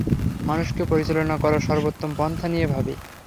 মানুষকে পরিচালনা করার সর্বোত্তম পন্থা নিয়ে ভাবি।